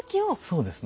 そうですね。